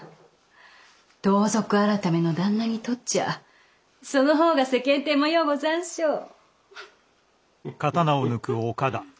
盗賊改の旦那にとっちゃそのほうが世間体もようござんしょう？